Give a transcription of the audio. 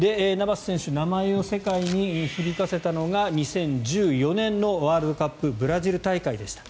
名前を世界に響かせたのが２０１４年のワールドカップブラジル大会でした。